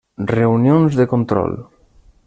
Reunions de control.